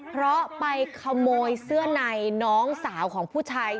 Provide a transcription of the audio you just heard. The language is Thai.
เพราะไปขโมยเสื้อในน้องสาวของผู้ชาย